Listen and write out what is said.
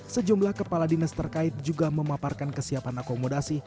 sejumlah kepala dinas terkait juga memaparkan kesiapan akomodasi